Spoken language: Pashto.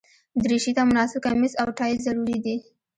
دریشي ته مناسب کمیس او ټای ضروري دي.